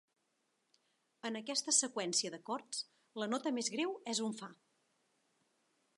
En aquesta seqüència d'acords, la nota més greu és un fa.